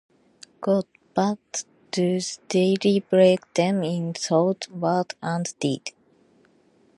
God, but does daily break them in thought, word, and deed.